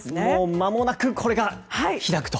まもなくこれが開くと。